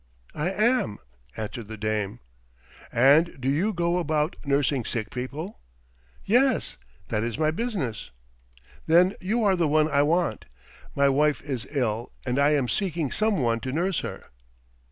"I am," answered the dame. "And do you go about nursing sick people?" "Yes, that is my business." "Then you are the one I want. My wife is ill, and I am seeking some one to nurse her."